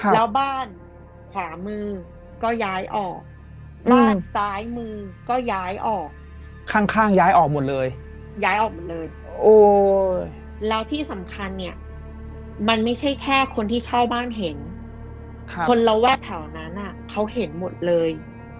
แล้วบ้านขวามือก็ย้ายออกบ้านซ้ายมือก็ย้ายออกข้างย้ายออกหมดเลยย้ายออกหมดเลยโอ้แล้วที่สำคัญเนี่ยมันไม่ใช่แค่คนที่เช่าบ้านเห็นคนระแวกแถวนั้นเขาเห็นหมดเลย